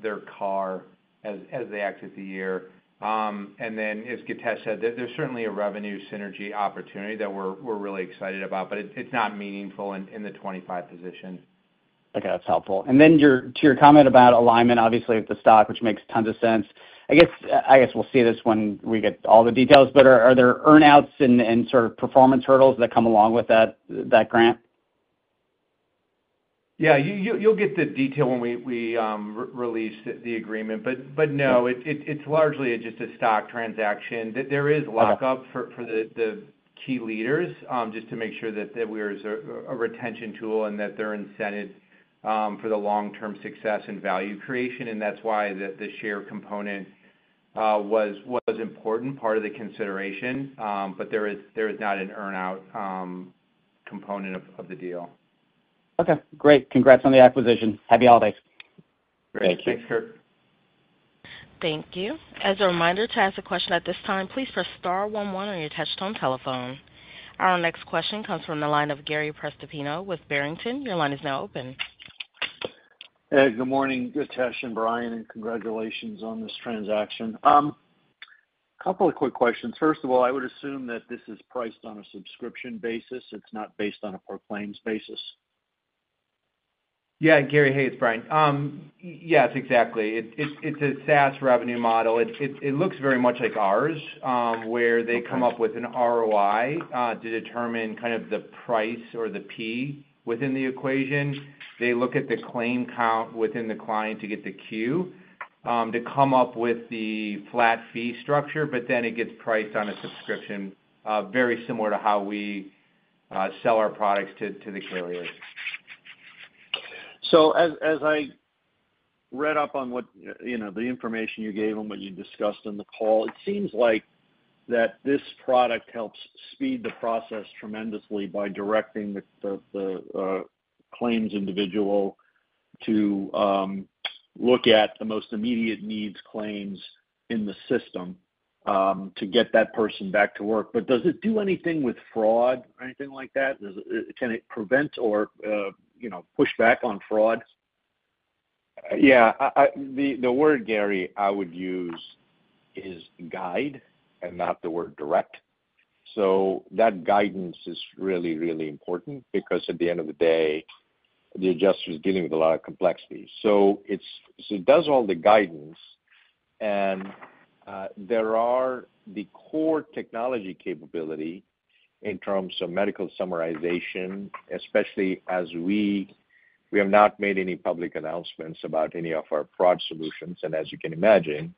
their ARR as they exit the year. And then, as Githesh said, there's certainly a revenue synergy opportunity that we're really excited about, but it's not meaningful in the 25 position. Okay. That's helpful. And then to your comment about alignment, obviously with the stock, which makes tons of sense. I guess we'll see this when we get all the details. But are there earnouts and sort of performance hurdles that come along with that grant? Yeah. You'll get the detail when we release the agreement. But no, it's largely just a stock transaction. There is lockup for the key leaders just to make sure that we're a retention tool and that they're incented for the long-term success and value creation. And that's why the share component was an important part of the consideration. But there is not an earnout component of the deal. Okay. Great. Congrats on the acquisition. Happy holidays. Thank you. Thanks, Kirk. Thank you. As a reminder to ask the question at this time, please press star 11 on your touch-tone telephone. Our next question comes from the line of Gary Prestopino with Barrington. Your line is now open. Hey, good morning, Githesh and Brian. And congratulations on this transaction. A couple of quick questions. First of all, I would assume that this is priced on a subscription basis. It's not based on a per claim basis. Yeah. Thanks, Gary. Yes, exactly. It's a SaaS revenue model. It looks very much like ours where they come up with an ROI to determine kind of the price or the P within the equation. They look at the claim count within the client to get the Q to come up with the flat fee structure. But then it gets priced on a subscription very similar to how we sell our products to the carriers. So as I read up on the information you gave and what you discussed in the call, it seems like that this product helps speed the process tremendously by directing the claims individual to look at the most immediate needs claims in the system to get that person back to work. But does it do anything with fraud or anything like that? Can it prevent or push back on fraud? Yeah. The word Gary I would use is guide and not the word direct. So that guidance is really, really important because at the end of the day, the adjuster is dealing with a lot of complexity, so it does all the guidance, and there are the core technology capability in terms of medical summarization, especially as we have not made any public announcements about any of our fraud solutions, and as you can imagine,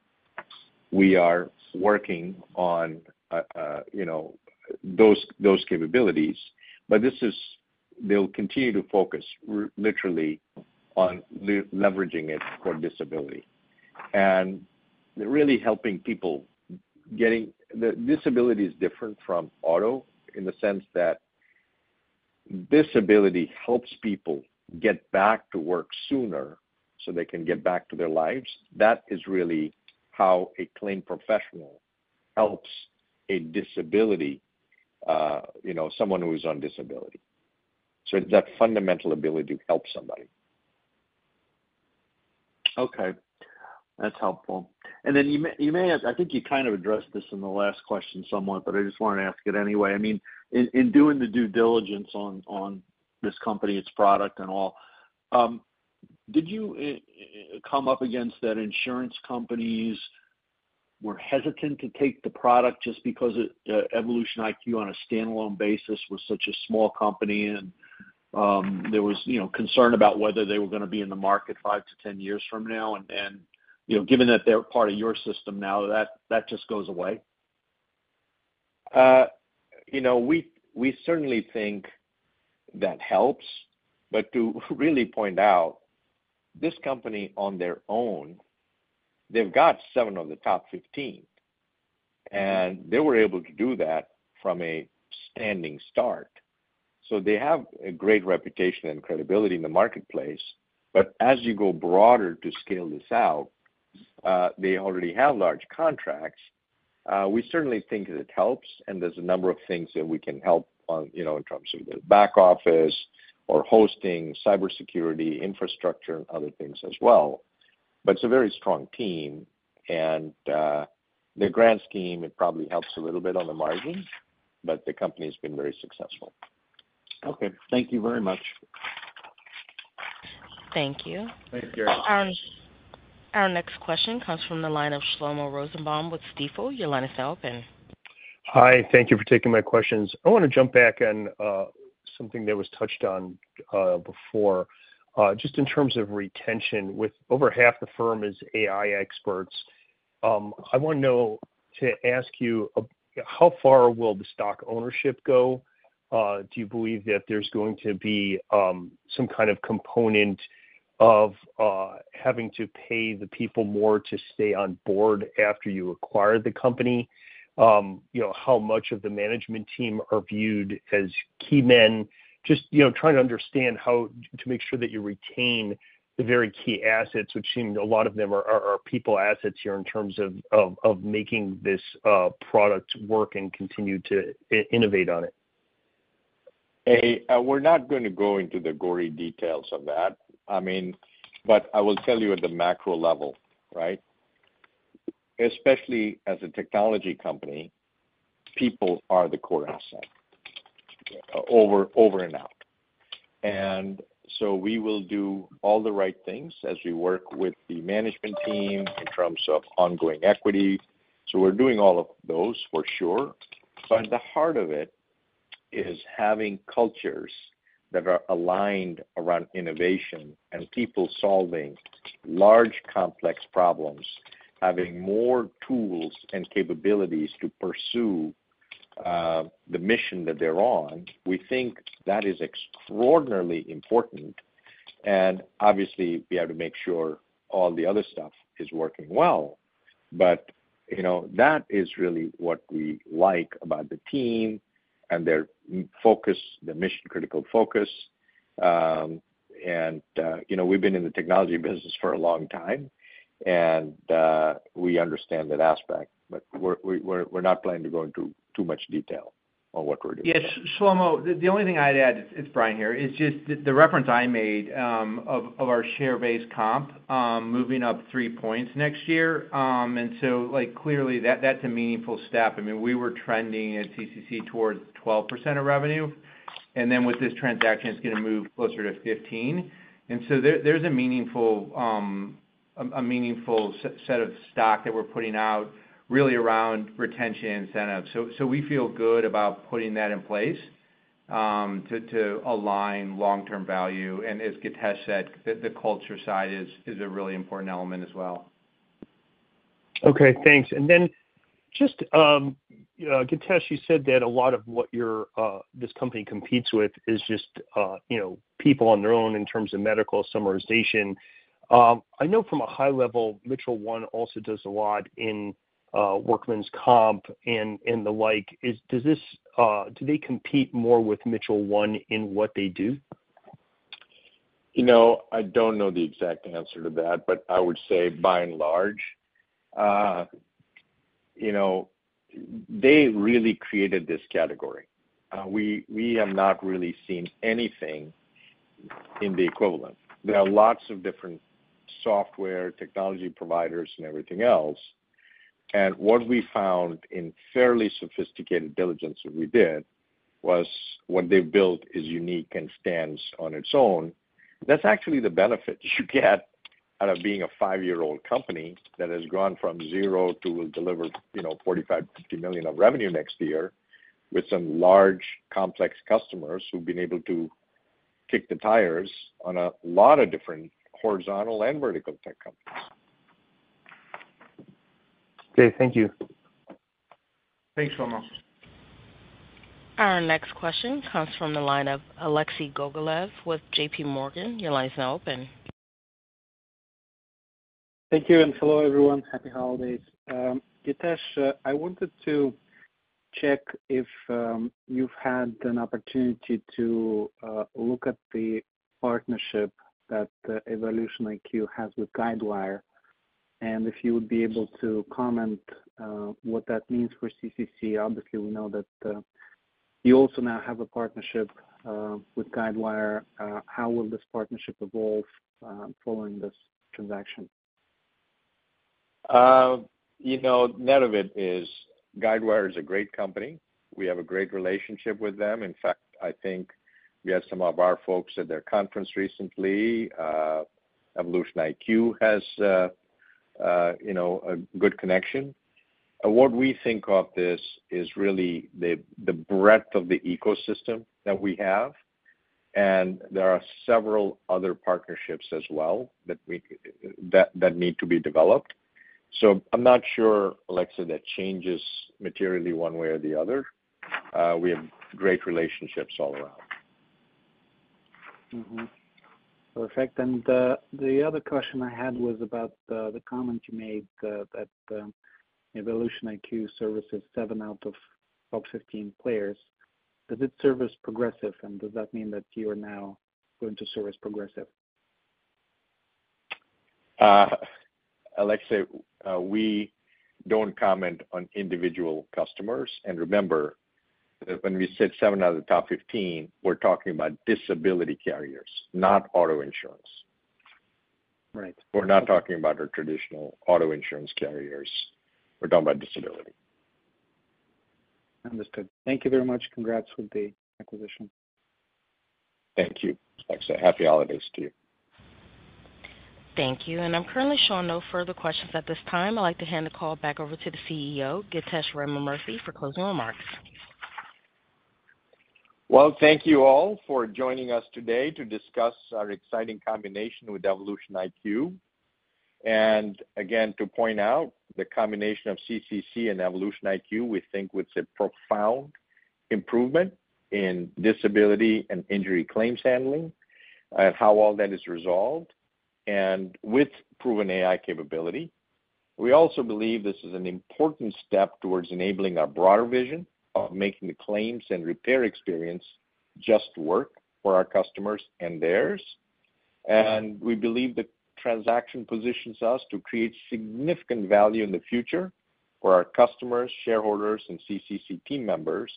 we are working on those capabilities, but they'll continue to focus literally on leveraging it for disability and really helping people. Disability is different from auto in the sense that disability helps people get back to work sooner so they can get back to their lives. That is really how a claim professional helps a disability, someone who is on disability, so it's that fundamental ability to help somebody. Okay. That's helpful. And then you may have, I think you kind of addressed this in the last question somewhat, but I just wanted to ask it anyway. I mean, in doing the due diligence on this company, its product and all, did you come up against that insurance companies were hesitant to take the product just because EvolutionIQ on a standalone basis was such a small company and there was concern about whether they were going to be in the market five to 10 years from now? And given that they're part of your system now, that just goes away? We certainly think that helps. But to really point out, this company on their own, they've got seven of the top 15. And they were able to do that from a standing start. So they have a great reputation and credibility in the marketplace. But as you go broader to scale this out, they already have large contracts. We certainly think that it helps. And there's a number of things that we can help in terms of the back office or hosting, cybersecurity, infrastructure, and other things as well. But it's a very strong team. And the grand scheme, it probably helps a little bit on the margin. But the company has been very successful. Okay. Thank you very much. Thank you. Our next question comes from the line of Shlomo Rosenbaum with Stifel. Your line is now open. Hi. Thank you for taking my questions. I want to jump back on something that was touched on before. Just in terms of retention, with over half the firm as AI experts, I want to ask you, how far will the stock ownership go? Do you believe that there's going to be some kind of component of having to pay the people more to stay on board after you acquire the company? How much of the management team are viewed as key men? Just trying to understand how to make sure that you retain the very key assets, which seem a lot of them are people assets here in terms of making this product work and continue to innovate on it. We're not going to go into the gory details of that. I mean, but I will tell you at the macro level, right? Especially as a technology company, people are the core asset over and out. And so we will do all the right things as we work with the management team in terms of ongoing equity. So we're doing all of those for sure. But at the heart of it is having cultures that are aligned around innovation and people solving large complex problems, having more tools and capabilities to pursue the mission that they're on. We think that is extraordinarily important. And obviously, we have to make sure all the other stuff is working well. But that is really what we like about the team and their focus, the mission-critical focus. And we've been in the technology business for a long time. And we understand that aspect. But we're not planning to go into too much detail on what we're doing. Yes. Shlomo, the only thing I'd add, it's Brian here, is just the reference I made of our share-based comp moving up three points next year. And so clearly, that's a meaningful step. I mean, we were trending at CCC towards 12% of revenue. And then with this transaction, it's going to move closer to 15. And so there's a meaningful set of stock that we're putting out really around retention incentives. So we feel good about putting that in place to align long-term value. And as Githesh said, the culture side is a really important element as well. Okay. Thanks. And then just Githesh, you said that a lot of what this company competes with is just people on their own in terms of medical summarization. I know from a high level, Mitchell 1 also does a lot in workmen's comp and the like. Do they compete more with Mitchell 1 in what they do? I don't know the exact answer to that. But I would say by and large, they really created this category. We have not really seen anything in the equivalent. There are lots of different software technology providers and everything else. And what we found in fairly sophisticated diligence that we did was what they built is unique and stands on its own. That's actually the benefit you get out of being a five-year-old company that has gone from zero to will deliver $45 million-$50 million of revenue next year with some large complex customers who've been able to kick the tires on a lot of different horizontal and vertical tech companies. Okay. Thank you. Thanks, Shlomo. Our next question comes from the line of Alexei Gogolev with JPMorgan. Your line is now open. Thank you. And hello, everyone. Happy holidays. Githesh, I wanted to check if you've had an opportunity to look at the partnership that EvolutionIQ has with Guidewire. And if you would be able to comment what that means for CCC. Obviously, we know that you also now have a partnership with Guidewire. How will this partnership evolve following this transaction? Net of it is Guidewire is a great company. We have a great relationship with them. In fact, I think we had some of our folks at their conference recently. EvolutionIQ has a good connection. What we think of this is really the breadth of the ecosystem that we have. And there are several other partnerships as well that need to be developed. So I'm not sure, Alexei, that changes materially one way or the other. We have great relationships all around. Perfect. And the other question I had was about the comment you made that EvolutionIQ services seven out of 15 players. Does it service Progressive? And does that mean that you are now going to service Progressive? Alexei, we don't comment on individual customers. And remember that when we said seven out of the top 15, we're talking about disability carriers, not auto insurance. We're not talking about our traditional auto insurance carriers. We're talking about disability. Understood. Thank you very much. Congrats with the acquisition. Thank you. Alexei, happy holidays to you. Thank you. And I'm currently showing no further questions at this time. I'd like to hand the call back over to the CEO, Githesh Ramamurthy, for closing remarks. Thank you all for joining us today to discuss our exciting combination with EvolutionIQ. And again, to point out the combination of CCC and EvolutionIQ, we think it's a profound improvement in disability and injury claims handling and how all that is resolved and with proven AI capability. We also believe this is an important step towards enabling our broader vision of making the claims and repair experience just work for our customers and theirs. And we believe the transaction positions us to create significant value in the future for our customers, shareholders, and CCC team members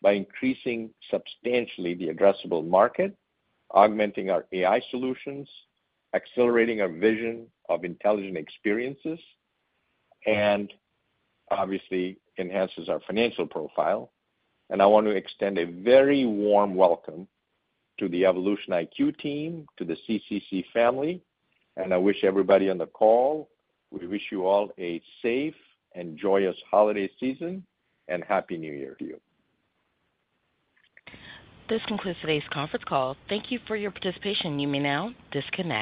by increasing substantially the addressable market, augmenting our AI solutions, accelerating our vision of intelligent experiences, and obviously enhances our financial profile. And I want to extend a very warm welcome to the EvolutionIQ team, to the CCC family. And I wish everybody on the call, we wish you all a safe and joyous holiday season and Happy New Year to you. This concludes today's conference call. Thank you for your participation. You may now disconnect.